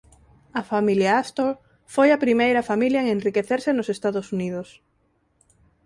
A familia Astor foi a primeira familia en enriquecerse nos Estados Unidos.